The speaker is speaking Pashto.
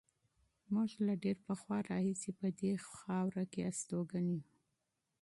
موږ له ډېر پخوا راهیسې په دې خاوره کې مېشت یو.